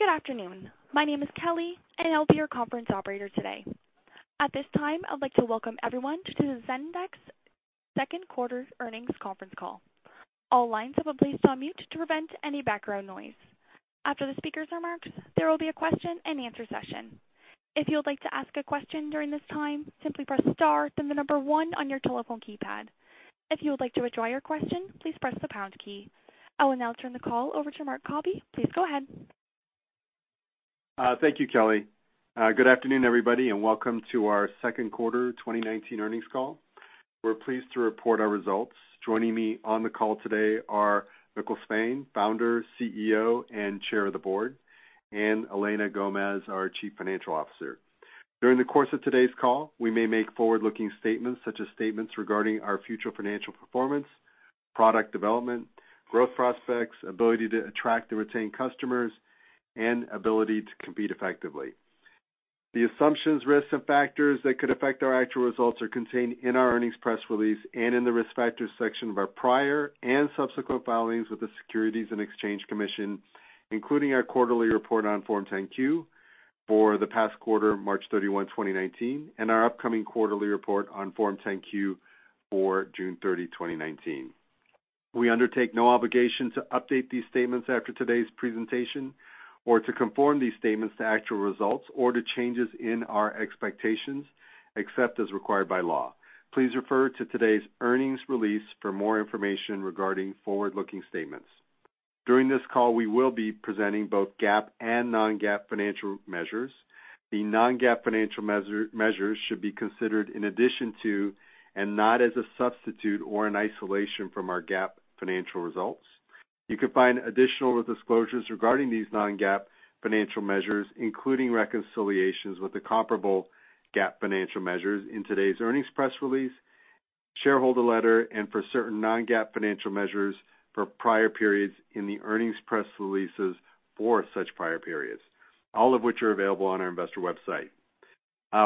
Good afternoon. My name is Kelly, and I'll be your conference operator today. At this time, I'd like to welcome everyone to the Zendesk second quarter earnings conference call. All lines have been placed on mute to prevent any background noise. After the speakers' remarks, there will be a question and answer session. If you would like to ask a question during this time, simply press star, then the number 1 on your telephone keypad. If you would like to withdraw your question, please press the pound key. I will now turn the call over to Marc Cabi. Please go ahead. Thank you, Kelly. Good afternoon, everybody, and welcome to our second quarter 2019 earnings call. We're pleased to report our results. Joining me on the call today are Mikkel Svane, founder, CEO, and Chair of the Board, and Elena Gomez, our Chief Financial Officer. During the course of today's call, we may make forward-looking statements such as statements regarding our future financial performance, product development, growth prospects, ability to attract and retain customers, and ability to compete effectively. The assumptions, risks, and factors that could affect our actual results are contained in our earnings press release and in the Risk Factors section of our prior and subsequent filings with the Securities and Exchange Commission, including our quarterly report on Form 10-Q for the past quarter, March 31, 2019, and our upcoming quarterly report on Form 10-Q for June 30, 2019. We undertake no obligation to update these statements after today's presentation or to conform these statements to actual results or to changes in our expectations, except as required by law. Please refer to today's earnings release for more information regarding forward-looking statements. During this call, we will be presenting both GAAP and non-GAAP financial measures. The non-GAAP financial measures should be considered in addition to and not as a substitute or in isolation from our GAAP financial results. You can find additional risk disclosures regarding these non-GAAP financial measures, including reconciliations with the comparable GAAP financial measures in today's earnings press release, shareholder letter, and for certain non-GAAP financial measures for prior periods in the earnings press releases for such prior periods, all of which are available on our investor website.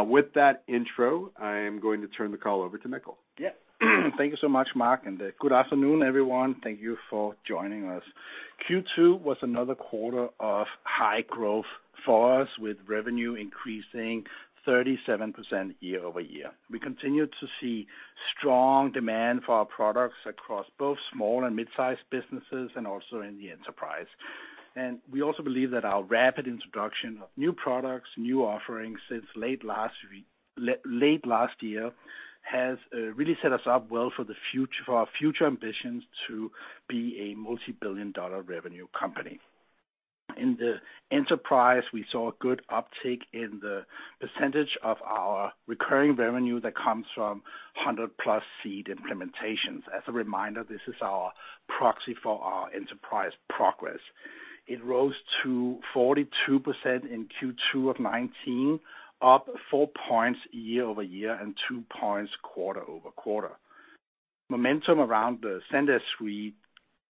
With that intro, I am going to turn the call over to Mikkel. Yes. Thank you so much, Marc, and good afternoon, everyone. Thank you for joining us. Q2 was another quarter of high growth for us, with revenue increasing 37% year-over-year. We continued to see strong demand for our products across both small and mid-sized businesses, and also in the enterprise. We also believe that our rapid introduction of new products, new offerings since late last year has really set us up well for our future ambitions to be a multibillion-dollar revenue company. In the enterprise, we saw a good uptick in the percentage of our recurring revenue that comes from 100-plus seat implementations. As a reminder, this is our proxy for our enterprise progress. It rose to 42% in Q2 of 2019, up four points year-over-year, and two points quarter-over-quarter. Momentum around the Zendesk Suite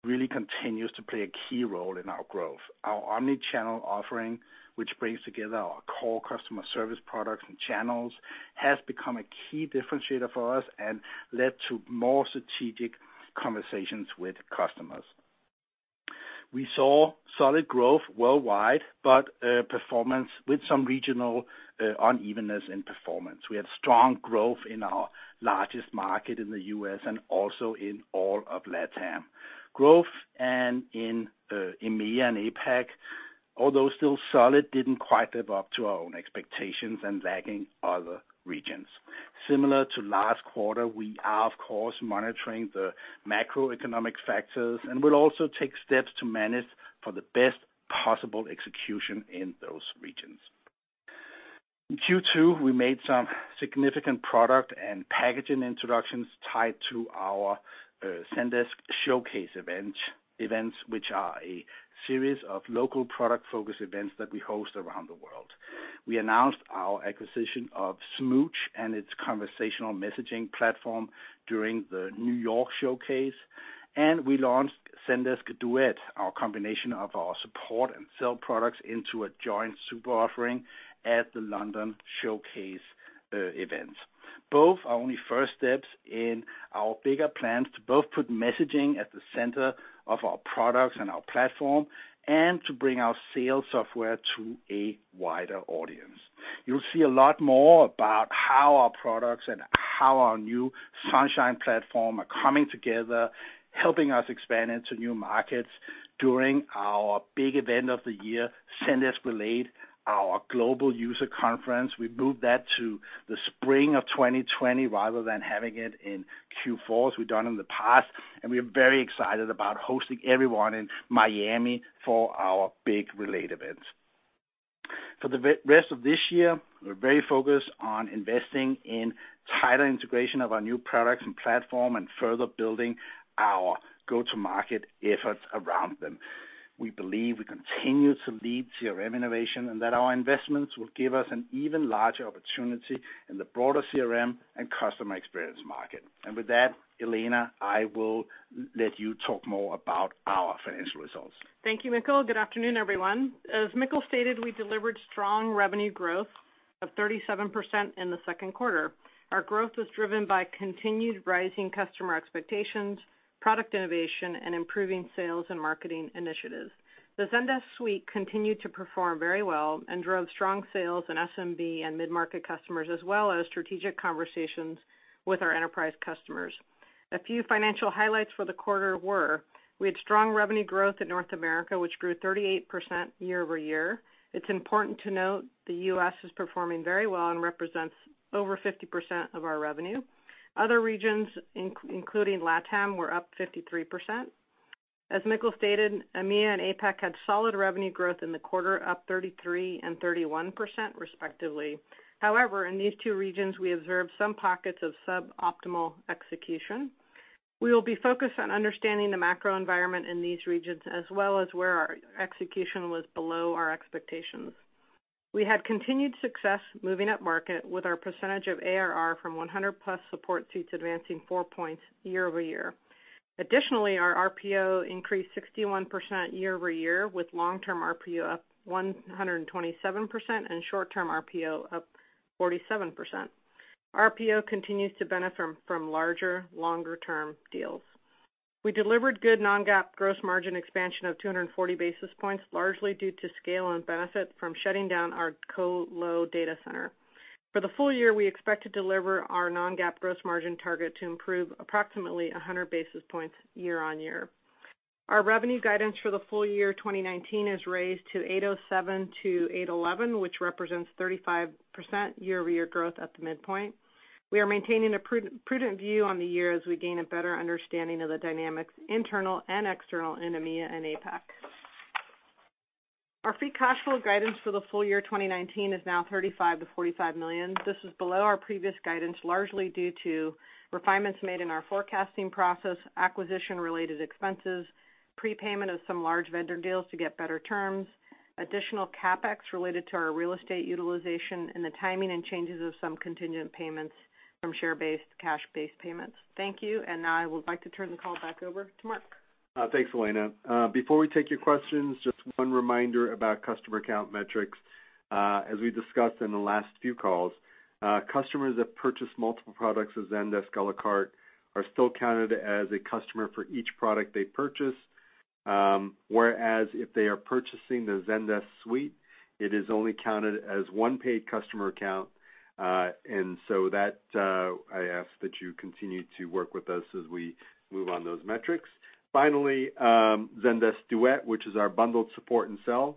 really continues to play a key role in our growth. Our omnichannel offering, which brings together our core customer service products and channels, has become a key differentiator for us and led to more strategic conversations with customers. We saw solid growth worldwide, but performance with some regional unevenness in performance. We had strong growth in our largest market in the U.S. and also in all of LATAM. Growth in EMEA and APAC, although still solid, didn't quite live up to our own expectations and lagging other regions. Similar to last quarter, we are, of course, monitoring the macroeconomic factors, and we'll also take steps to manage for the best possible execution in those regions. In Q2, we made some significant product and packaging introductions tied to our Zendesk Showcase events, which are a series of local product-focused events that we host around the world. We announced our acquisition of Smooch and its conversational messaging platform during the New York Showcase. We launched Zendesk Duet, our combination of our Support and Sell products into a joint super offering at the London Showcase events. Both are only first steps in our bigger plans to both put messaging at the center of our products and our platform, and to bring our sales software to a wider audience. You'll see a lot more about how our products and how our new Sunshine platform are coming together, helping us expand into new markets during our big event of the year, Zendesk Relate, our global user conference. We moved that to the spring of 2020 rather than having it in Q4 as we've done in the past. We are very excited about hosting everyone in Miami for our big Relate event. For the rest of this year, we're very focused on investing in tighter integration of our new products and platform and further building our go-to-market efforts around them. We believe we continue to lead CRM innovation, that our investments will give us an even larger opportunity in the broader CRM and customer experience market. With that, Elena, I will let you talk more about our financial results. Thank you, Mikkel. Good afternoon, everyone. As Mikkel stated, we delivered strong revenue growth of 37% in the second quarter. Our growth was driven by continued rising customer expectations, product innovation, and improving sales and marketing initiatives. The Zendesk Suite continued to perform very well and drove strong sales in SMB and mid-market customers, as well as strategic conversations with our enterprise customers. A few financial highlights for the quarter were, we had strong revenue growth in North America, which grew 38% year-over-year. It's important to note the U.S. is performing very well and represents over 50% of our revenue. Other regions, including LATAM, were up 53%. As Mikkel stated, EMEA and APAC had solid revenue growth in the quarter, up 33 and 31% respectively. However, in these two regions, we observed some pockets of sub-optimal execution. We will be focused on understanding the macro environment in these regions, as well as where our execution was below our expectations. We had continued success moving up market with our percentage of ARR from 100 plus support seats advancing four points year-over-year. Our RPO increased 61% year-over-year, with long-term RPO up 127% and short-term RPO up 47%. RPO continues to benefit from larger, longer-term deals. We delivered good non-GAAP gross margin expansion of 240 basis points, largely due to scale and benefit from shutting down our colo data center. For the full year, we expect to deliver our non-GAAP gross margin target to improve approximately 100 basis points year-on-year. Our revenue guidance for the full year 2019 is raised to $807-$811, which represents 35% year-over-year growth at the midpoint. We are maintaining a prudent view on the year as we gain a better understanding of the dynamics, internal and external, in EMEA and APAC. Our free cash flow guidance for the full year 2019 is now $35 million-$45 million. This is below our previous guidance, largely due to refinements made in our forecasting process, acquisition-related expenses, prepayment of some large vendor deals to get better terms, additional CapEx related to our real estate utilization, and the timing and changes of some contingent payments from share-based cash-based payments. Thank you. Now I would like to turn the call back over to Marc. Thanks, Elena. Before we take your questions, just one reminder about customer account metrics. As we discussed in the last few calls, customers that purchase multiple products of Zendesk a la carte are still counted as a customer for each product they purchase, whereas if they are purchasing the Zendesk Suite, it is only counted as one paid customer account. So that, I ask that you continue to work with us as we move on those metrics. Finally, Zendesk Duet, which is our bundled support and sell,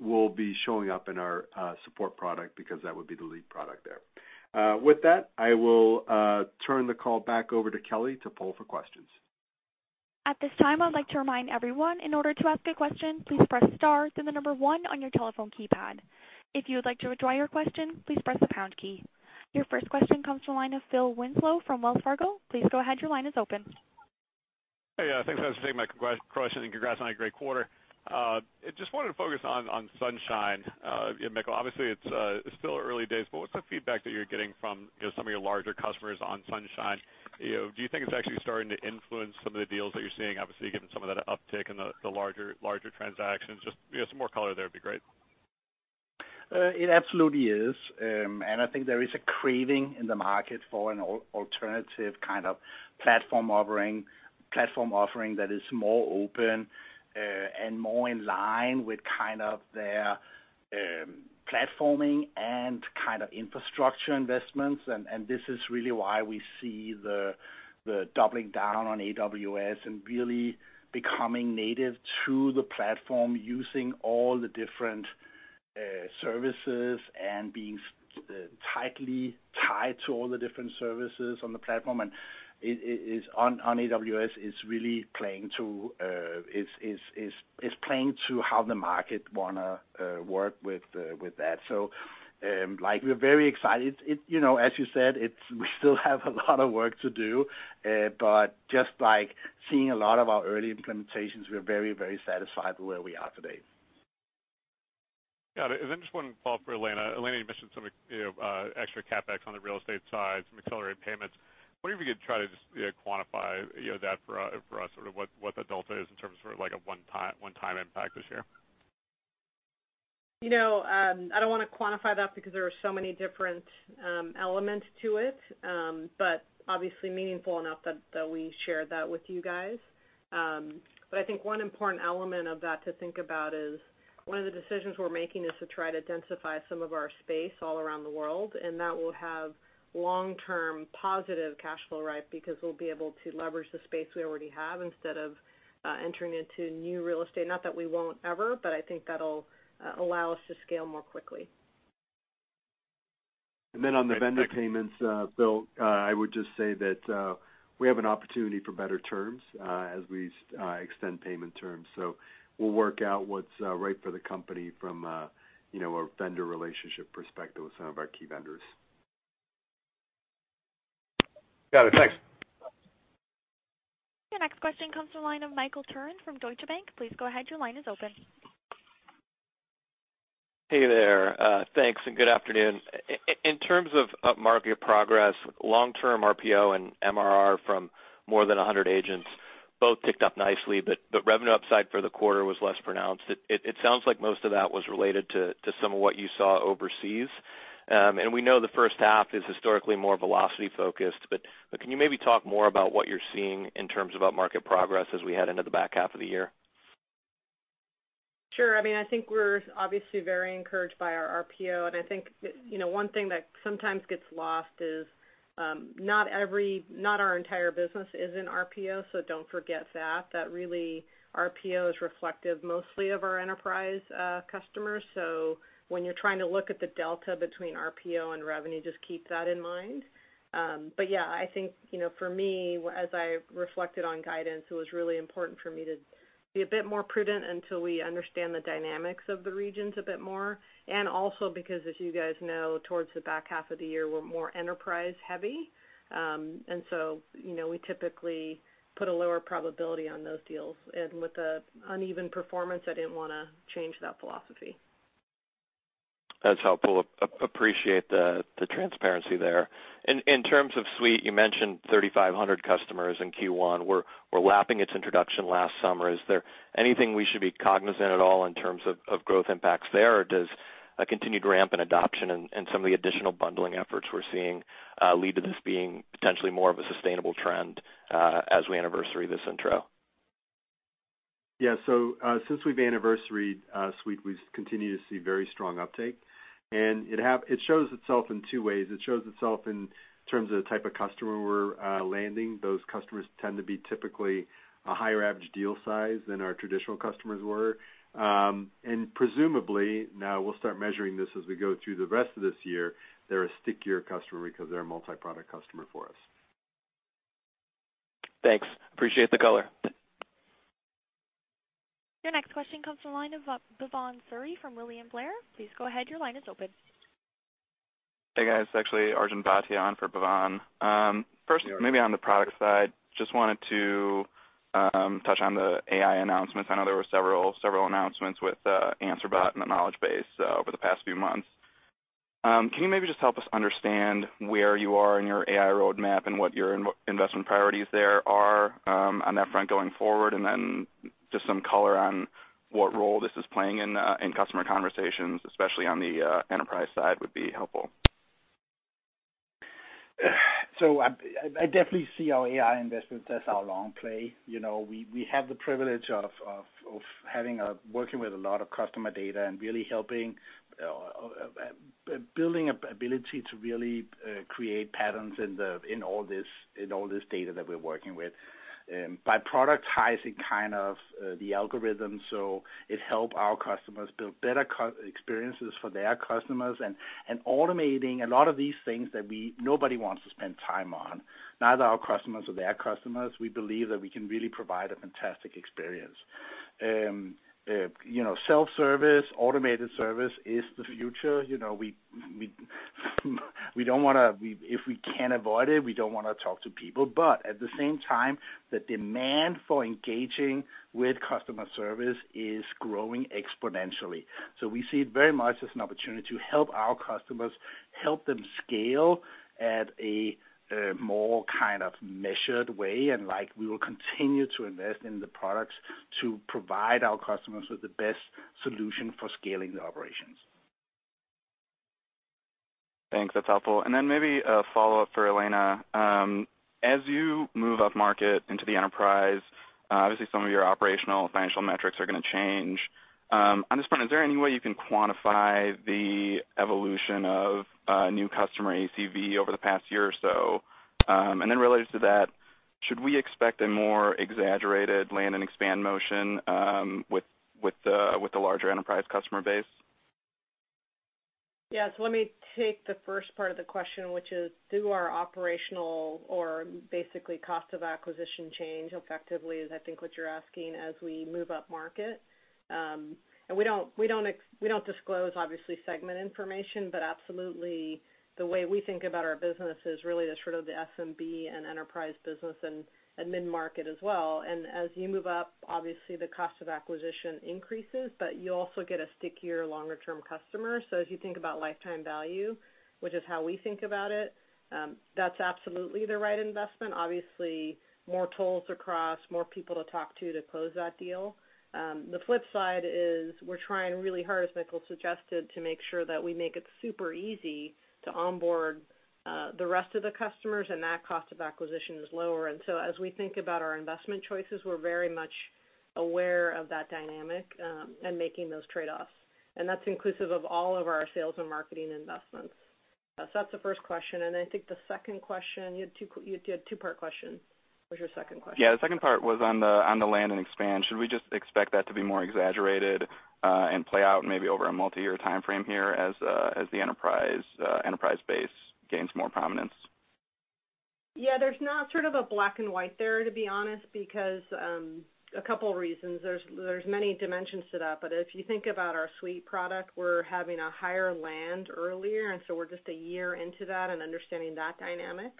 will be showing up in our support product because that would be the lead product there. With that, I will turn the call back over to Kelly to poll for questions. At this time, I would like to remind everyone, in order to ask a question, please press star then the number one on your telephone keypad. If you would like to withdraw your question, please press the pound key. Your first question comes from the line of Phil Winslow from Wells Fargo. Please go ahead, your line is open. Hey, thanks for taking my question, and congrats on a great quarter. Just wanted to focus on Sunshine. Mikkel, obviously it's still early days, but what's the feedback that you're getting from some of your larger customers on Sunshine? Do you think it's actually starting to influence some of the deals that you're seeing, obviously, given some of that uptick in the larger transactions? Just some more color there would be great. It absolutely is. I think there is a craving in the market for an alternative kind of platform offering that is more open and more in line with their platforming and kind of infrastructure investments. This is really why we see the doubling down on AWS and really becoming native to the platform, using all the different services and being tightly tied to all the different services on the platform. On AWS, it's really playing to how the market want to work with that. We're very excited. As you said, we still have a lot of work to do, but just seeing a lot of our early implementations, we are very satisfied with where we are today. Got it. Then just one follow-up for Elena. Elena, you mentioned some extra CapEx on the real estate side, some accelerated payments. Wonder if you could try to just quantify that for us, sort of what the delta is in terms of a one-time impact this year? I don't want to quantify that because there are so many different elements to it, but obviously meaningful enough that we shared that with you guys. I think one important element of that to think about is, one of the decisions we're making is to try to densify some of our space all around the world, and that will have long-term positive cash flow because we'll be able to leverage the space we already have instead of entering into new real estate. Not that we won't ever, but I think that'll allow us to scale more quickly. On the vendor payments, Phil, I would just say that we have an opportunity for better terms as we extend payment terms. We'll work out what's right for the company from a vendor relationship perspective with some of our key vendors. Got it. Thanks. Your next question comes to the line of Michael Turrin from Deutsche Bank. Please go ahead, your line is open. Hey there. Thanks, and good afternoon. In terms of up-market progress, long-term RPO and MRR from more than 100 agents both ticked up nicely, but the revenue upside for the quarter was less pronounced. It sounds like most of that was related to some of what you saw overseas. We know the first half is historically more velocity focused, but can you maybe talk more about what you're seeing in terms of up-market progress as we head into the back half of the year? Sure. I think we're obviously very encouraged by our RPO, and I think one thing that sometimes gets lost is not our entire business is in RPO, so don't forget that. That really RPO is reflective mostly of our enterprise customers. When you're trying to look at the delta between RPO and revenue, just keep that in mind. Yeah, I think, for me, as I reflected on guidance, it was really important for me to be a bit more prudent until we understand the dynamics of the regions a bit more. Also because, as you guys know, towards the back half of the year, we're more enterprise heavy. We typically put a lower probability on those deals. With the uneven performance, I didn't want to change that philosophy. That's helpful. Appreciate the transparency there. In terms of Zendesk Suite, you mentioned 3,500 customers in Q1 were lapping its introduction last summer. Is there anything we should be cognizant at all in terms of growth impacts there? Or does a continued ramp in adoption and some of the additional bundling efforts we're seeing lead to this being potentially more of a sustainable trend, as we anniversary this intro? Yeah. since we've anniversaried Suite, we've continued to see very strong uptake. It shows itself in two ways. It shows itself in terms of the type of customer we're landing. Those customers tend to be typically a higher average deal size than our traditional customers were. Presumably, now we'll start measuring this as we go through the rest of this year, they're a stickier customer because they're a multi-product customer for us. Thanks. Appreciate the color. Your next question comes from the line of Bhavan Suri from William Blair. Please go ahead, your line is open. Hey, guys. It's actually Arjun Bhatia on for Bhavan. First, maybe on the product side, just wanted to touch on the AI announcements. I know there were several announcements with Answer Bot and the knowledge base over the past few months. Can you maybe just help us understand where you are in your AI roadmap and what your investment priorities there are on that front going forward? Just some color on what role this is playing in customer conversations, especially on the enterprise side, would be helpful. I definitely see our AI investments as our long play. We have the privilege of working with a lot of customer data and really helping, building ability to really create patterns in all this data that we're working with. By productizing kind of the algorithm, so it help our customers build better experiences for their customers, and automating a lot of these things that nobody wants to spend time on, neither our customers or their customers. We believe that we can really provide a fantastic experience. Self-service, automated service is the future. If we can avoid it, we don't want to talk to people, but at the same time, the demand for engaging with customer service is growing exponentially. We see it very much as an opportunity to help our customers, help them scale at a more kind of measured way, and we will continue to invest in the products to provide our customers with the best solution for scaling the operations. Thanks. That's helpful. Maybe a follow-up for Elena. As you move up market into the enterprise, obviously some of your operational financial metrics are going to change. On this front, is there any way you can quantify the evolution of new customer ACV over the past year or so? Related to that, should we expect a more exaggerated land-and-expand motion, with the larger enterprise customer base? Yeah. Let me take the first part of the question, which is do our operational or basically cost of acquisition change effectively, is I think what you're asking, as we move up market. We don't disclose, obviously, segment information, but absolutely the way we think about our business is really the sort of the SMB and enterprise business and mid-market as well. As you move up, obviously the cost of acquisition increases, but you also get a stickier longer-term customer. If you think about lifetime value, which is how we think about it, that's absolutely the right investment. Obviously, more tolls across, more people to talk to close that deal. The flip side is we're trying really hard, as Mikkel suggested, to make sure that we make it super easy to onboard the rest of the customers, and that cost of acquisition is lower. As we think about our investment choices, we're very much aware of that dynamic, and making those trade-offs. That's inclusive of all of our sales and marketing investments. That's the first question. I think the second question, you had a two-part question. What's your second question? Yeah, the second part was on the land and expand. Should we just expect that to be more exaggerated, and play out maybe over a multi-year timeframe here as the enterprise base gains more prominence? Yeah, there's not sort of a black and white there, to be honest, because a couple reasons. There's many dimensions to that. If you think about our Suite product, we're having a higher land earlier. We're just one year into that and understanding that dynamic.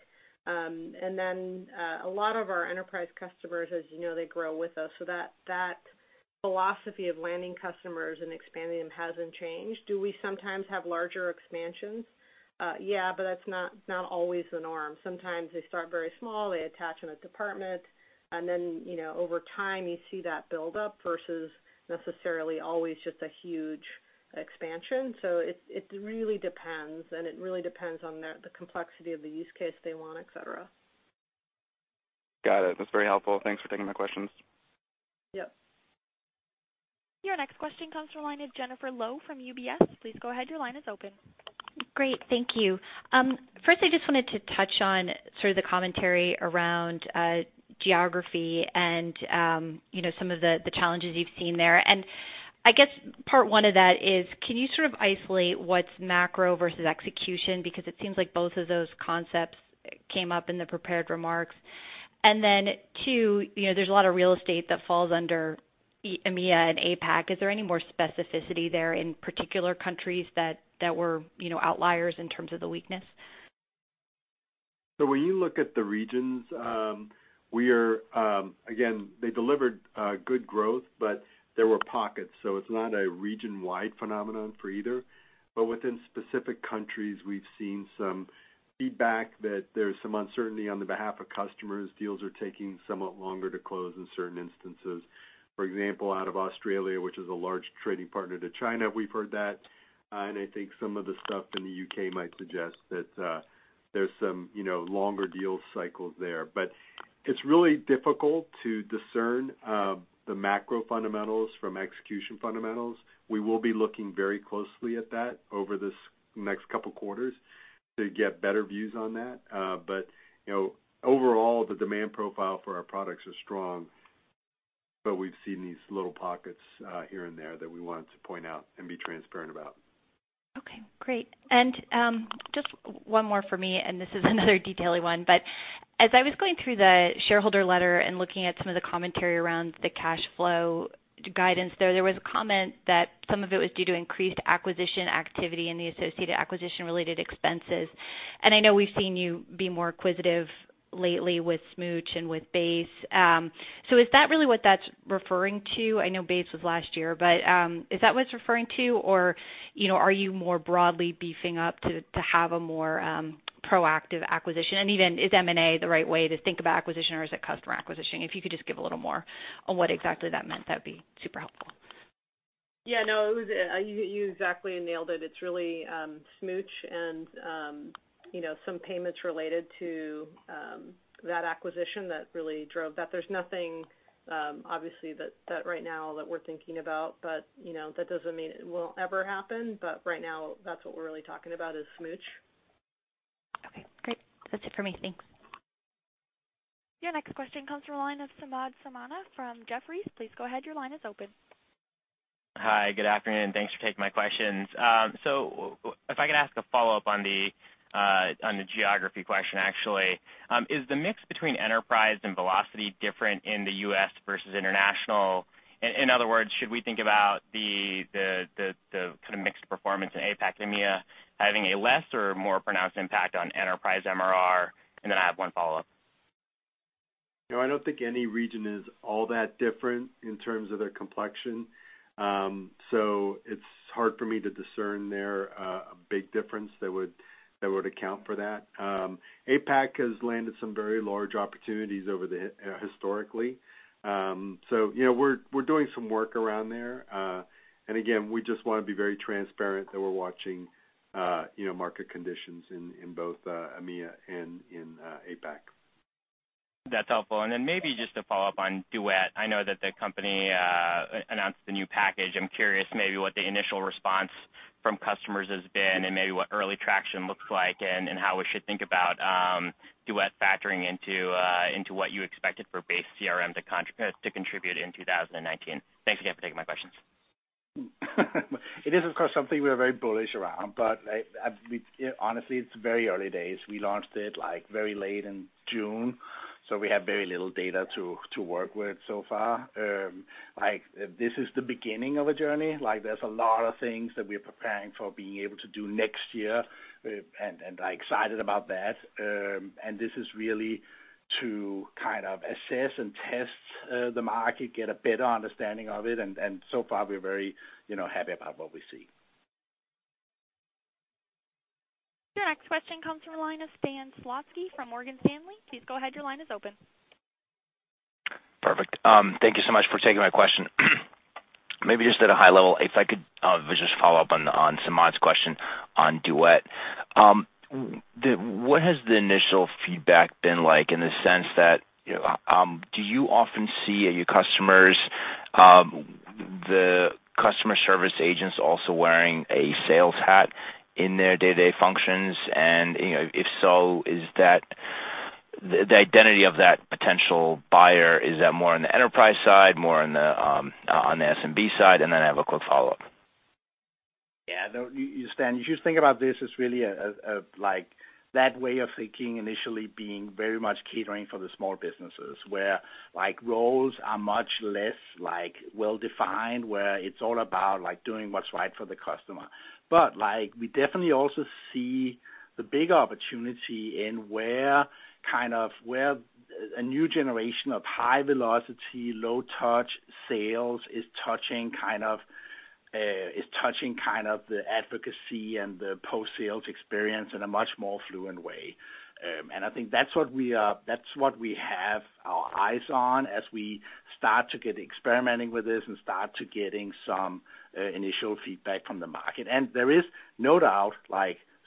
A lot of our enterprise customers, as you know, they grow with us. Philosophy of landing customers and expanding them hasn't changed. Do we sometimes have larger expansions? Yeah, that's not always the norm. Sometimes they start very small, they attach in a department. Over time you see that build up versus necessarily always just a huge expansion. It really depends, and it really depends on the complexity of the use case they want, et cetera. Got it. That's very helpful. Thanks for taking my questions. Yes. Your next question comes from the line of Jennifer Lowe from UBS. Please go ahead. Your line is open. Great. Thank you. First, I just wanted to touch on sort of the commentary around geography and some of the challenges you've seen there. I guess part 1 of that is, can you sort of isolate what's macro versus execution? Because it seems like both of those concepts came up in the prepared remarks. Then 2, there's a lot of real estate that falls under EMEA and APAC. Is there any more specificity there in particular countries that were outliers in terms of the weakness? When you look at the regions, again, they delivered good growth, but there were pockets, so it's not a region-wide phenomenon for either. Within specific countries, we've seen some feedback that there's some uncertainty on the behalf of customers. Deals are taking somewhat longer to close in certain instances. For example, out of Australia, which is a large trading partner to China, we've heard that. I think some of the stuff in the U.K. might suggest that there's some longer deal cycles there. It's really difficult to discern the macro fundamentals from execution fundamentals. We will be looking very closely at that over this next couple of quarters to get better views on that. Overall, the demand profile for our products are strong, but we've seen these little pockets here and there that we wanted to point out and be transparent about. Okay, great. Just one more for me, this is another detail-y one. As I was going through the shareholder letter and looking at some of the commentary around the cash flow guidance there was a comment that some of it was due to increased acquisition activity and the associated acquisition-related expenses. I know we've seen you be more acquisitive lately with Smooch and with Base. Is that really what that's referring to? I know Base was last year, is that what it's referring to? Are you more broadly beefing up to have a more proactive acquisition? Even, is M&A the right way to think about acquisition, or is it customer acquisition? If you could just give a little more on what exactly that meant, that'd be super helpful. Yeah, no, you exactly nailed it. It's really Smooch and some payments related to that acquisition that really drove that. There's nothing, obviously, that right now that we're thinking about, but that doesn't mean it won't ever happen. Right now, that's what we're really talking about, is Smooch. Okay, great. That's it for me. Thanks. Your next question comes from the line of Samad Samana from Jefferies. Please go ahead. Your line is open. Hi. Good afternoon. Thanks for taking my questions. If I could ask a follow-up on the geography question, actually. Is the mix between enterprise and velocity different in the U.S. versus international? In other words, should we think about the kind of mixed performance in APAC, EMEA, having a less or more pronounced impact on enterprise MRR? I have one follow-up. No, I don't think any region is all that different in terms of their complexion. It's hard for me to discern there a big difference that would account for that. APAC has landed some very large opportunities historically. We're doing some work around there. Again, we just want to be very transparent that we're watching market conditions in both EMEA and in APAC. That's helpful. Then maybe just to follow up on Duet. I know that the company announced the new package. I'm curious maybe what the initial response from customers has been and maybe what early traction looks like and how we should think about Duet factoring into what you expected for Base CRM to contribute in 2019. Thanks again for taking my questions. It is, of course, something we are very bullish around, but honestly, it's very early days. We launched it very late in June, so we have very little data to work with so far. This is the beginning of a journey. There's a lot of things that we're preparing for being able to do next year, and I'm excited about that. This is really to kind of assess and test the market, get a better understanding of it, and so far, we're very happy about what we see. Your next question comes from the line of Stan Zlotsky from Morgan Stanley. Please go ahead. Your line is open. Perfect. Thank you so much for taking my question. Maybe just at a high level, if I could just follow up on Samad's question on Duet. What has the initial feedback been like in the sense that, do you often see your customers, the customer service agents also wearing a sales hat in their day-to-day functions? If so, the identity of that potential buyer, is that more on the enterprise side, more on the SMB side? I have a quick follow-up. Yeah. Stan, you should think about this as really that way of thinking initially being very much catering for the small businesses where roles are much less well-defined, where it's all about doing what's right for the customer. We definitely also see the big opportunity in where a new generation of high-velocity, low-touch sales Is touching kind of the advocacy and the post-sales experience in a much more fluent way. I think that's what we have our eyes on as we start to get experimenting with this and start to getting some initial feedback from the market. There is no doubt,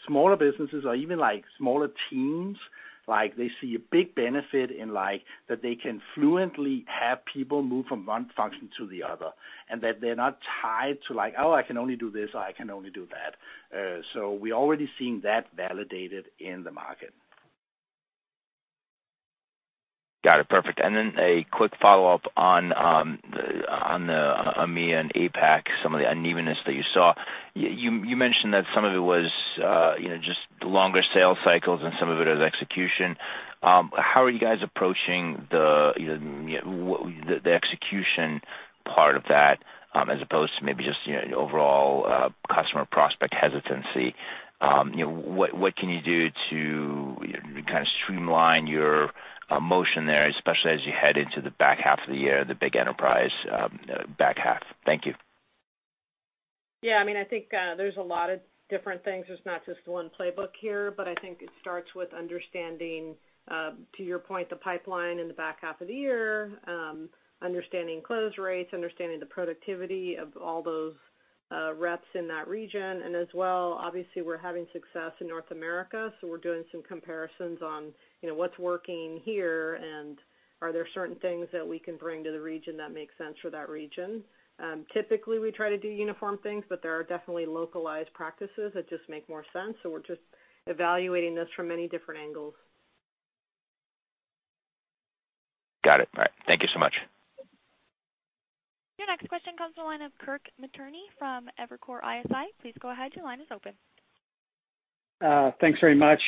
smaller businesses or even smaller teams, they see a big benefit in that they can fluently have people move from one function to the other, and that they're not tied to like, "Oh, I can only do this," or, "I can only do that." We're already seeing that validated in the market. Got it. Perfect. A quick follow-up on the EMEA and APAC, some of the unevenness that you saw. You mentioned that some of it was just the longer sales cycles and some of it is execution. How are you guys approaching the execution part of that, as opposed to maybe just overall customer prospect hesitancy? What can you do to kind of streamline your motion there, especially as you head into the back half of the year, the big enterprise back half? Thank you. Yeah, I think there's a lot of different things. There's not just one playbook here, but I think it starts with understanding, to your point, the pipeline in the back half of the year, understanding close rates, understanding the productivity of all those reps in that region. As well, obviously, we're having success in North America, we're doing some comparisons on what's working here and are there certain things that we can bring to the region that makes sense for that region? Typically, we try to do uniform things. There are definitely localized practices that just make more sense. We're just evaluating this from many different angles. Got it. All right. Thank you so much. Your next question comes from the line of Kirk Materne from Evercore ISI. Please go ahead, your line is open. Thanks very much.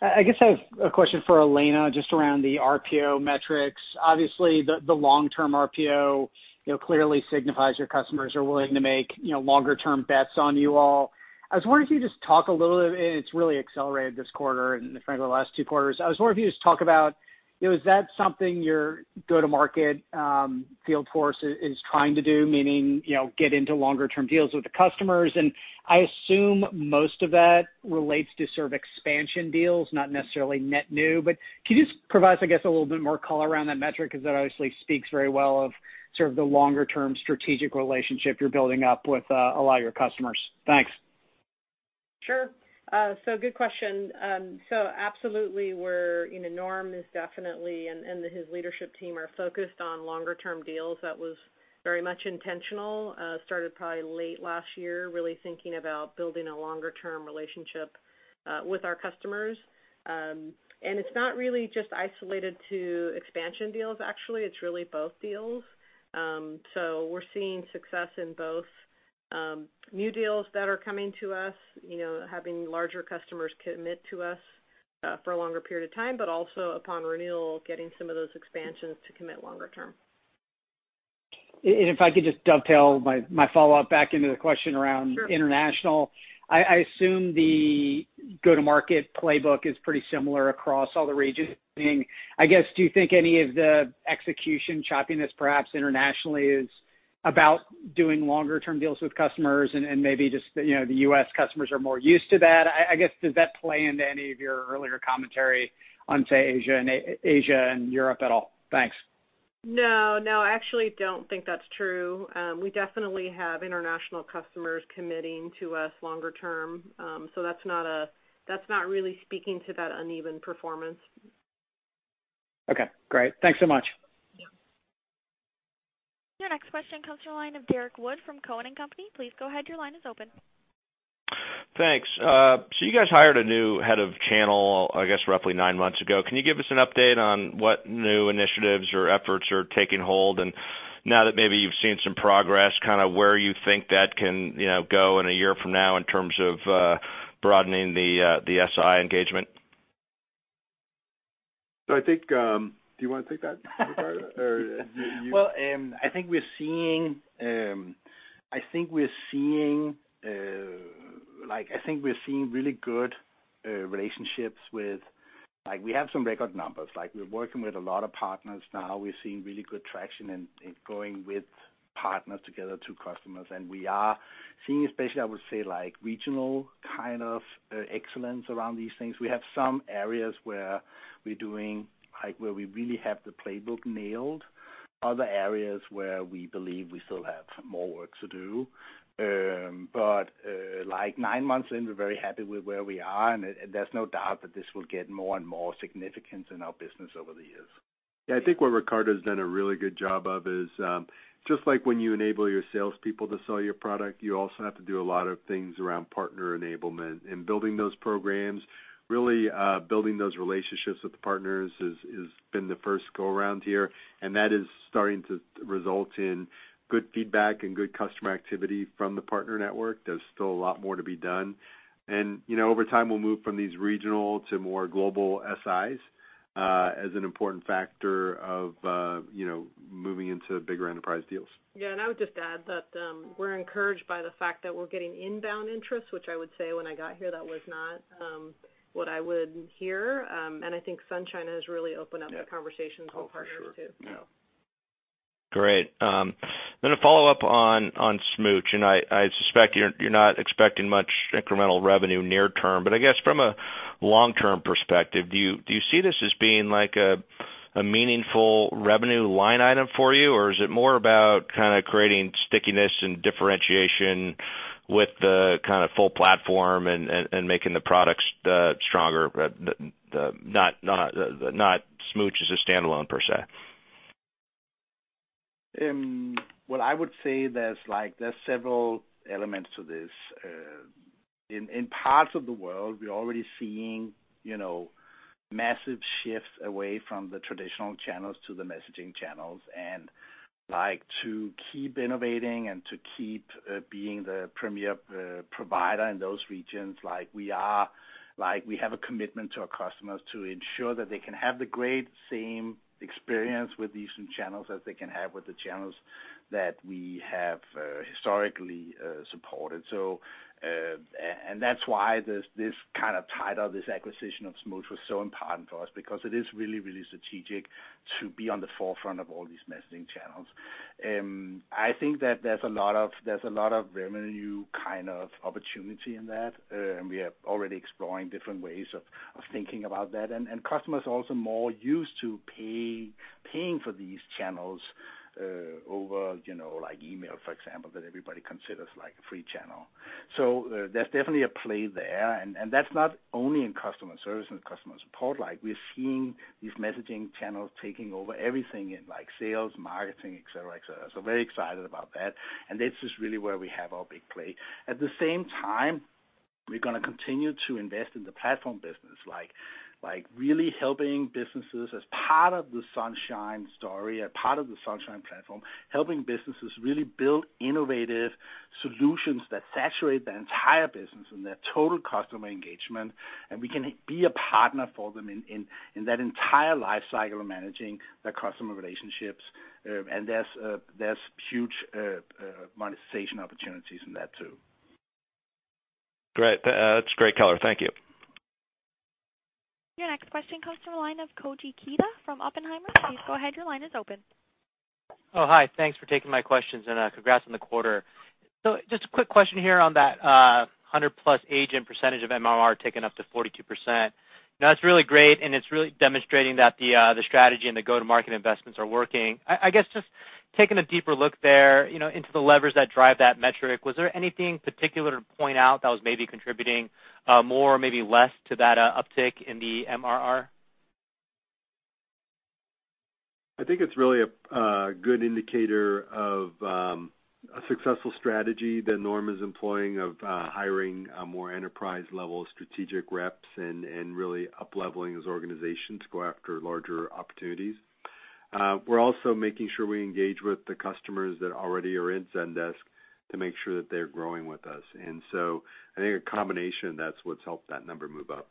I guess I have a question for Elena, just around the RPO metrics. Obviously, the long-term RPO clearly signifies your customers are willing to make longer-term bets on you all. I was wondering if you could just talk a little bit, and it's really accelerated this quarter and frankly the last two quarters. I was wondering if you could just talk about, is that something your go-to-market field force is trying to do? Meaning, get into longer term deals with the customers. I assume most of that relates to sort of expansion deals, not necessarily net new. Could you just provide, I guess, a little bit more color around that metric, because that obviously speaks very well of sort of the longer-term strategic relationship you're building up with a lot of your customers. Thanks. Sure. Good question. Absolutely, Norm is definitely, and his leadership team are focused on longer term deals. That was very much intentional. Started probably late last year, really thinking about building a longer-term relationship with our customers. It's not really just isolated to expansion deals, actually. It's really both deals. We're seeing success in both new deals that are coming to us, having larger customers commit to us for a longer period of time, but also upon renewal, getting some of those expansions to commit longer term. If I could just dovetail my follow-up back into the question around. Sure international. I assume the go-to-market playbook is pretty similar across all the regions. I guess, do you think any of the execution choppiness perhaps internationally is about doing longer term deals with customers and maybe just the U.S. customers are more used to that? I guess, does that play into any of your earlier commentary on, say, Asia and Europe at all? Thanks. No, actually, don't think that's true. We definitely have international customers committing to us longer term. That's not really speaking to that uneven performance. Okay, great. Thanks so much. Yeah. Your next question comes from the line of Derrick Wood from Cowen and Company. Please go ahead, your line is open. Thanks. You guys hired a new head of channel, I guess, roughly nine months ago. Can you give us an update on what new initiatives or efforts are taking hold? Now that maybe you've seen some progress, kind of where you think that can go in a year from now in terms of broadening the SI engagement? I think, do you want to take that, Ricardo? Well, I think we're seeing really good relationships. We have some record numbers. We're working with a lot of partners now. We're seeing really good traction in going with partners together to customers. We are seeing, especially, I would say, regional kind of excellence around these things. We have some areas where we really have the playbook nailed. Other areas where we believe we still have more work to do. Nine months in, we're very happy with where we are, and there's no doubt that this will get more and more significant in our business over the years. Yeah, I think where Ricardo's done a really good job of is, just like when you enable your salespeople to sell your product, you also have to do a lot of things around partner enablement. Building those programs, really building those relationships with the partners has been the first go-around here, and that is starting to result in good feedback and good customer activity from the partner network. There's still a lot more to be done. Over time, we'll move from these regional to more global SIs as an important factor of moving into bigger enterprise deals. I would just add that we're encouraged by the fact that we're getting inbound interest, which I would say when I got here, that was not what I would hear. I think Sunshine has really opened up the conversations with partners, too. Oh, for sure. Yeah. Great. A follow-up on Smooch. I suspect you're not expecting much incremental revenue near term, but I guess from a long-term perspective, do you see this as being a meaningful revenue line item for you? Is it more about kind of creating stickiness and differentiation with the kind of full platform and making the products stronger, but not Smooch as a standalone, per se? Well, I would say there's several elements to this. In parts of the world, we're already seeing massive shifts away from the traditional channels to the messaging channels. To keep innovating and to keep being the premier provider in those regions, we have a commitment to our customers to ensure that they can have the great same experience with these new channels as they can have with the channels that we have historically supported. That's why this kind of tie-down, this acquisition of Smooch was so important for us because it is really strategic to be on the forefront of all these messaging channels. I think that there's a lot of revenue kind of opportunity in that, and we are already exploring different ways of thinking about that. Customers are also more used to paying for these channels over email, for example, that everybody considers a free channel. There's definitely a play there. That's not only in customer service and customer support. We're seeing these messaging channels taking over everything in sales, marketing, et cetera. Very excited about that. This is really where we have our big play. At the same time, we're going to continue to invest in the platform business, really helping businesses as part of the Sunshine story, as part of the Sunshine platform, helping businesses really build innovative solutions that saturate the entire business and their total customer engagement. We can be a partner for them in that entire life cycle of managing their customer relationships. There's huge monetization opportunities in that too. Great. That's great color. Thank you. Your next question comes from the line of Koji Ikeda from Oppenheimer. Please go ahead. Your line is open. Oh, hi. Thanks for taking my questions, and congrats on the quarter. Just a quick question here on that 100 plus agent percentage of MRR ticking up to 42%. That's really great, and it's really demonstrating that the strategy and the go-to-market investments are working. I guess, just taking a deeper look there into the levers that drive that metric, was there anything particular to point out that was maybe contributing more or maybe less to that uptick in the MRR? I think it's really a good indicator of a successful strategy that Norm is employing of hiring more enterprise-level strategic reps and really up-leveling his organization to go after larger opportunities. We're also making sure we engage with the customers that already are in Zendesk to make sure that they're growing with us. I think a combination, that's what's helped that number move up.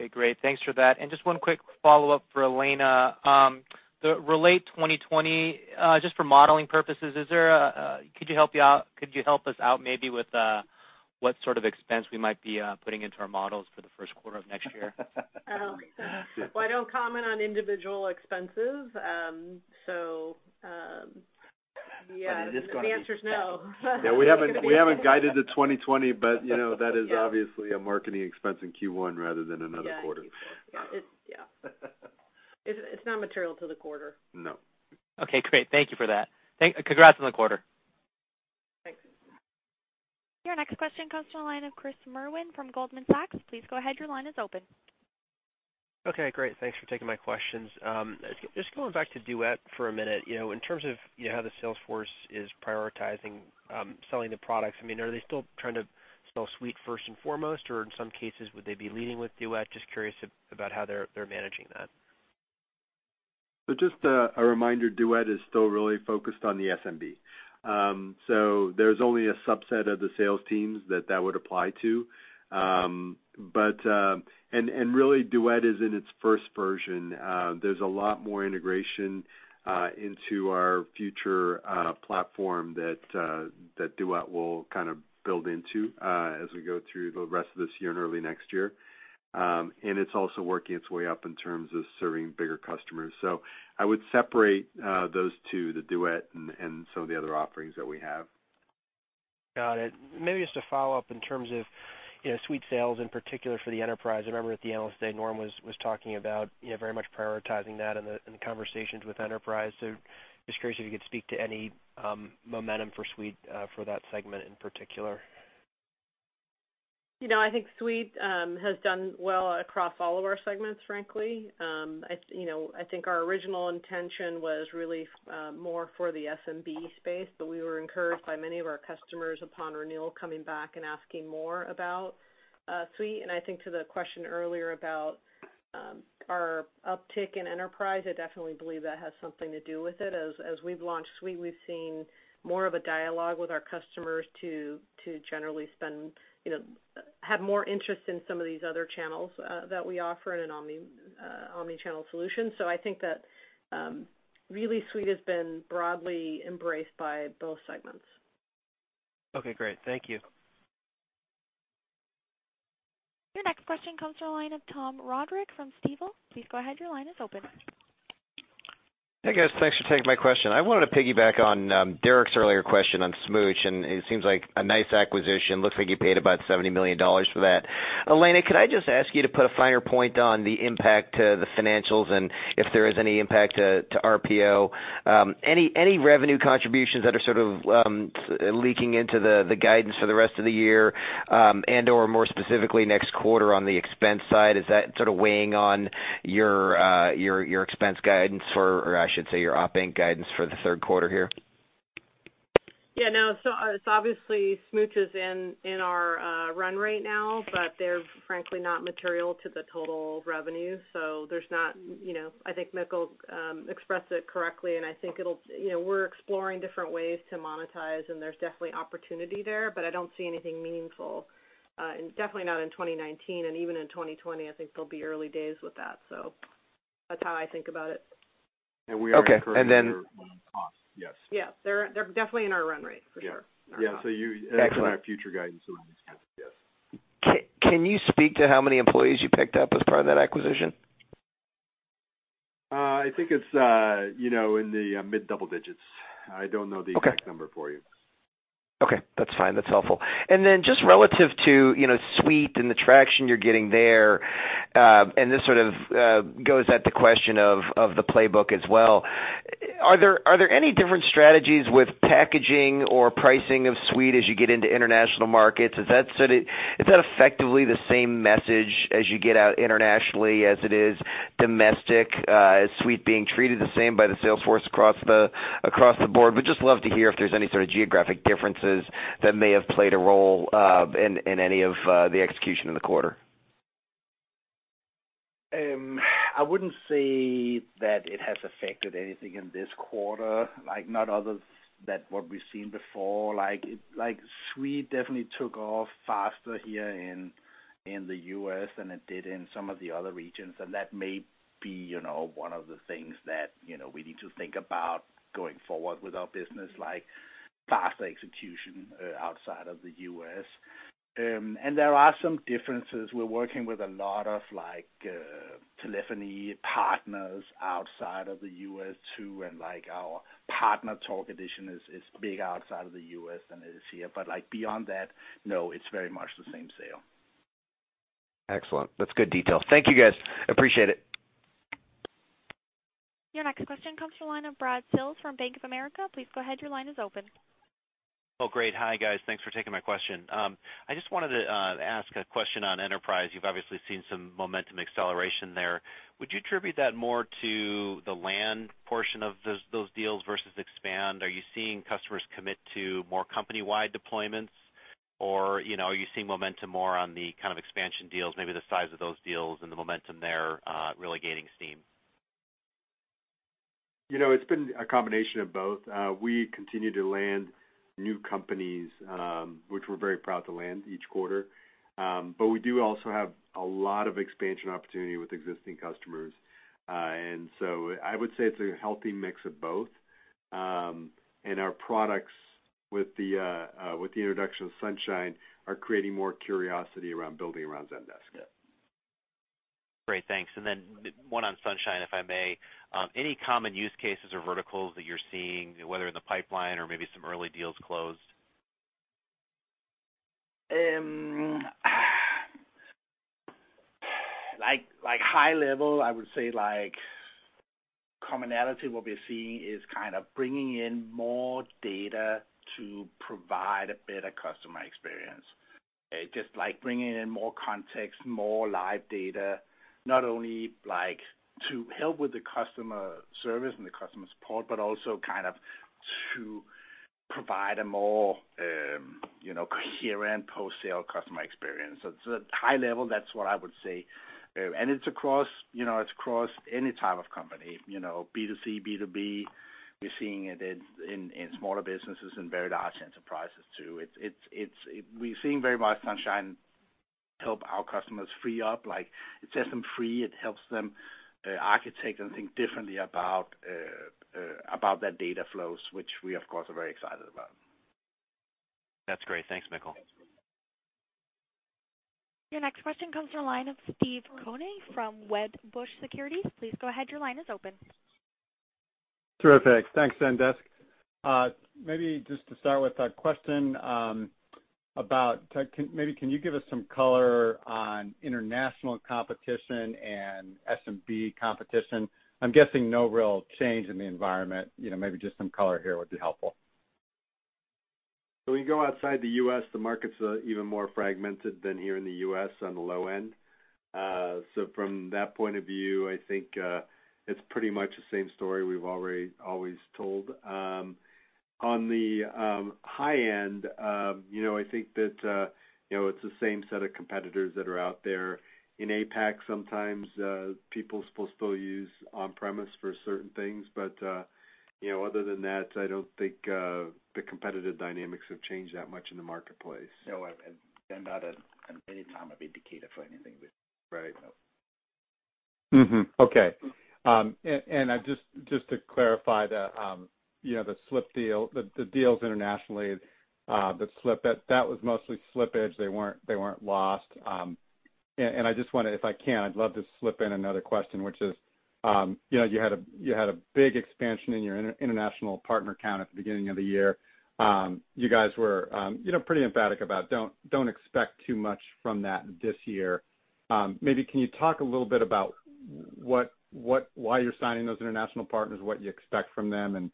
Okay, great. Thanks for that. Just one quick follow-up for Elena. The Relate 2020, just for modeling purposes, could you help us out maybe with what sort of expense we might be putting into our models for the first quarter of next year? I don't comment on individual expenses. Yeah. I mean, it's going to be- The answer's no. Yeah, we haven't guided to 2020, but that is obviously a marketing expense in Q1 rather than another quarter. Yeah, in Q4. Yeah. It's not material to the quarter. No. Okay, great. Thank you for that. Congrats on the quarter. Thanks. Your next question comes from the line of Chris Merwin from Goldman Sachs. Please go ahead. Your line is open. Okay, great. Thanks for taking my questions. Just going back to Duet for a minute, in terms of how the sales force is prioritizing selling the products, I mean, are they still trying to sell Suite first and foremost, or in some cases, would they be leading with Duet? Just curious about how they're managing that. Just a reminder, Duet is still really focused on the SMB. There's only a subset of the sales teams that would apply to. Really Duet is in its first version. There's a lot more integration into our future platform that Duet will kind of build into as we go through the rest of this year and early next year. It's also working its way up in terms of serving bigger customers. I would separate those two, the Duet and some of the other offerings that we have. Got it. Maybe just a follow-up in terms of Suite sales in particular for the enterprise. I remember at the Analyst Day, Norm was talking about very much prioritizing that in the conversations with enterprise. Just curious if you could speak to any momentum for Suite for that segment in particular. I think Suite has done well across all of our segments, frankly. I think our original intention was really more for the SMB space. We were encouraged by many of our customers upon renewal coming back and asking more about Suite. I think to the question earlier about our uptick in enterprise, I definitely believe that has something to do with it. As we've launched Suite, we've seen more of a dialogue with our customers to generally have more interest in some of these other channels that we offer in an omni-channel solution. I think that really Suite has been broadly embraced by both segments. Okay, great. Thank you. Your next question comes from the line of Tom Roderick from Stifel. Please go ahead, your line is open. Hey, guys. Thanks for taking my question. I wanted to piggyback on Derrick's earlier question on Smooch. It seems like a nice acquisition. Looks like you paid about $70 million for that. Elena, could I just ask you to put a finer point on the impact to the financials and if there is any impact to RPO? Any revenue contributions that are sort of leaking into the guidance for the rest of the year, and/or more specifically next quarter on the expense side, is that sort of weighing on your expense guidance for, or I should say, your op inc guidance for the third quarter here? Yeah, no. Obviously, Smooch is in our run rate now, but they're frankly not material to the total revenue. I think Mikkel expressed it correctly, and I think we're exploring different ways to monetize, and there's definitely opportunity there, but I don't see anything meaningful, definitely not in 2019. Even in 2020, I think there'll be early days with that. That's how I think about it. We are encouraging their run cost, yes. Yes. They're definitely in our run rate, for sure. Yeah. Excellent. In our future guidance as well, yes. Can you speak to how many employees you picked up as part of that acquisition? I think it's in the mid-double digits. I don't know the exact number for you. Okay. That's fine. That's helpful. Just relative to Suite and the traction you're getting there, and this sort of goes at the question of the playbook as well, are there any different strategies with packaging or pricing of Suite as you get into international markets? Is that effectively the same message as you get out internationally as it is domestic? Is Suite being treated the same by the sales force across the board? We'd just love to hear if there's any sort of geographic differences that may have played a role in any of the execution in the quarter. I wouldn't say that it has affected anything in this quarter, like not other than what we've seen before. Like, Suite definitely took off faster here in the U.S. than it did in some of the other regions. That may be one of the things that we need to think about going forward with our business, like faster execution outside of the U.S. There are some differences. We're working with a lot of telephony partners outside of the U.S., too, and our Talk Partner Edition is big outside of the U.S. than it is here. Beyond that, no, it's very much the same sale. Excellent. That's good detail. Thank you, guys. Appreciate it. Your next question comes from the line of Brad Sills from Bank of America. Please go ahead, your line is open. Oh, great. Hi, guys. Thanks for taking my question. I just wanted to ask a question on enterprise. You've obviously seen some momentum acceleration there. Would you attribute that more to the land portion of those deals versus expand? Are you seeing customers commit to more company-wide deployments? Or, are you seeing momentum more on the kind of expansion deals, maybe the size of those deals and the momentum there really gaining steam? It's been a combination of both. We continue to land new companies, which we're very proud to land each quarter. We do also have a lot of expansion opportunity with existing customers. I would say it's a healthy mix of both. Our products with the introduction of Sunshine are creating more curiosity around building around Zendesk. Great, thanks. One on Sunshine, if I may. Any common use cases or verticals that you're seeing, whether in the pipeline or maybe some early deals closed? Like, high level, I would say commonality, what we're seeing is kind of bringing in more data to provide a better customer experience. Just like bringing in more context, more live data, not only to help with the customer service and the customer support, but also kind of to provide a more coherent post-sale customer experience. At high level, that's what I would say. It's across any type of company, B2C, B2B. We're seeing it in smaller businesses and very large enterprises, too. We're seeing very much Sunshine help our customers free up, like it sets them free. It helps them architect and think differently about their data flows, which we, of course, are very excited about. That's great. Thanks, Mikkel. Your next question comes from the line of Steve Koenig from Wedbush Securities. Please go ahead. Your line is open. Terrific. Thanks, Zendesk. Maybe just to start with a question about tech. Maybe can you give us some color on international competition and SMB competition? I'm guessing no real change in the environment. Maybe just some color here would be helpful. When you go outside the U.S., the market's even more fragmented than here in the U.S. on the low end. From that point of view, I think, it's pretty much the same story we've always told. On the high end, I think that it's the same set of competitors that are out there. In APAC sometimes, people still use on-premise for certain things. Other than that, I don't think the competitive dynamics have changed that much in the marketplace. No, not at any time have indicated for anything but. Right. Mm-hmm. Okay. Just to clarify the deals internationally that slip, that was mostly slippage. They weren't lost. I just wonder, if I can, I'd love to slip in another question, which is, you had a big expansion in your international partner count at the beginning of the year. You guys were pretty emphatic about don't expect too much from that this year. Maybe can you talk a little bit about why you're signing those international partners, what you expect from them, and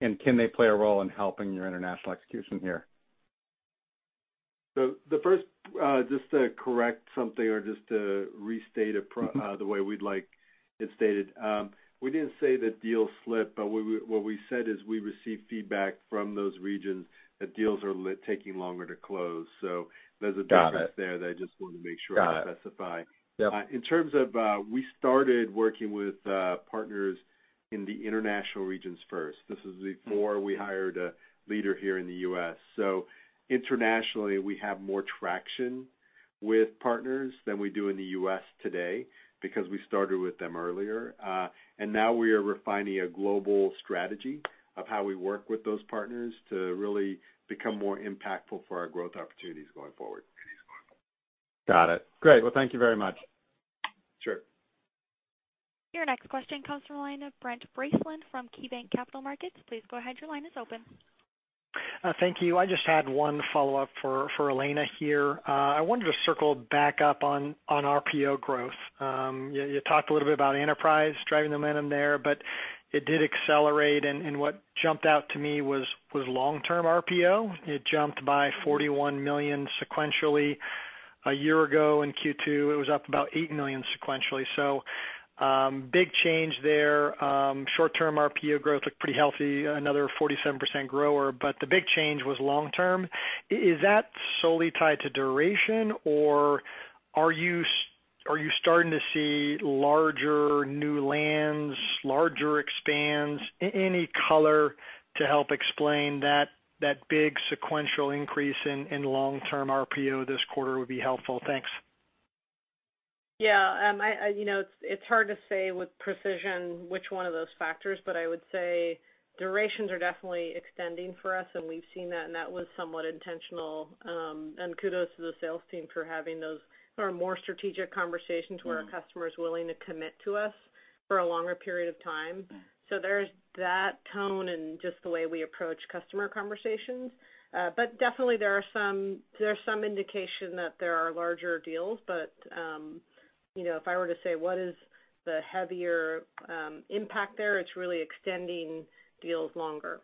can they play a role in helping your international execution here? The first, just to correct something or just to restate it the way we'd like it stated. We didn't say that deals slipped, but what we said is we received feedback from those regions that deals are taking longer to close. There's a difference there that I just wanted to make sure I specify. Got it. Yep. In terms of, we started working with partners in the international regions first. This is before we hired a leader here in the U.S. Internationally, we have more traction with partners than we do in the U.S. today because we started with them earlier. Now we are refining a global strategy of how we work with those partners to really become more impactful for our growth opportunities going forward. Got it. Great. Well, thank you very much. Sure. Your next question comes from the line of Brent Bracelin from KeyBanc Capital Markets. Please go ahead, your line is open. Thank you. I just had one follow-up for Elena here. I wanted to circle back up on RPO growth. You talked a little bit about enterprise driving the momentum there, but it did accelerate, and what jumped out to me was long-term RPO. It jumped by $41 million sequentially. A year ago in Q2, it was up about $8 million sequentially. Big change there. Short-term RPO growth looked pretty healthy, another 47% grower, but the big change was long term. Is that solely tied to duration, or are you starting to see larger new lands, larger expands? Any color to help explain that big sequential increase in long-term RPO this quarter would be helpful. Thanks. Yeah. It's hard to say with precision which one of those factors, but I would say durations are definitely extending for us, and we've seen that, and that was somewhat intentional. Kudos to the sales team for having those more strategic conversations where a customer's willing to commit to us for a longer period of time. There's that tone and just the way we approach customer conversations. Definitely there's some indication that there are larger deals. If I were to say what is the heavier impact there, it's really extending deals longer.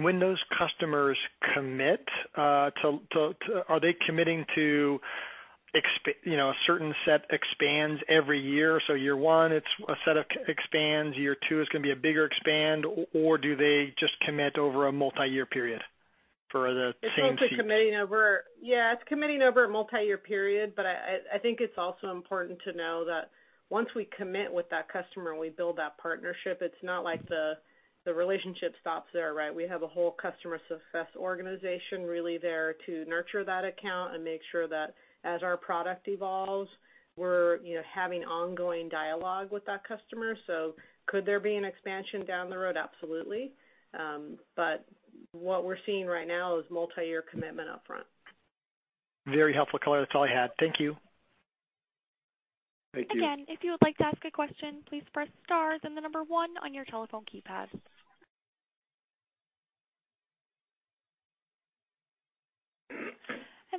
When those customers commit, are they committing to a certain set expands every year? Year one, it's a set of expands, year two is going to be a bigger expand, or do they just commit over a multi-year period for the same seat? It's mostly committing over Yeah, it's committing over a multi-year period. I think it's also important to know that once we commit with that customer and we build that partnership, it's not like the relationship stops there, right? We have a whole customer success organization really there to nurture that account and make sure that as our product evolves, we're having ongoing dialogue with that customer. Could there be an expansion down the road? Absolutely. What we're seeing right now is multi-year commitment upfront. Very helpful color. That's all I had. Thank you. Thank you. Again, if you would like to ask a question, please press star then the number one on your telephone keypad.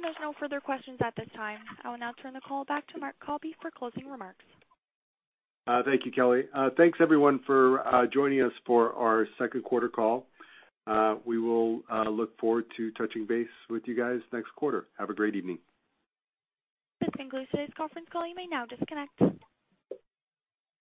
There's no further questions at this time. I will now turn the call back to Marc Cabi for closing remarks. Thank you, Kelly. Thanks everyone for joining us for our second quarter call. We will look forward to touching base with you guys next quarter. Have a great evening. This concludes today's conference call. You may now disconnect.